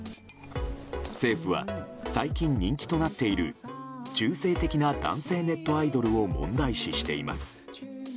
政府は、最近人気となっている中世的な男性ネットアイドルを問題視しています。